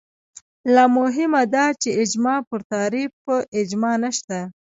لا مهمه دا چې اجماع پر تعریف اجماع نشته